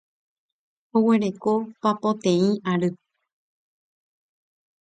Oguereko papoteĩ ary.